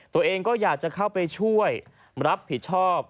ตัวเองก็อยากจะเข้าไปช่วยรับผิดชอบ